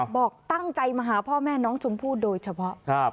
บอกตั้งใจมาหาพ่อแม่น้องชมพู่โดยเฉพาะ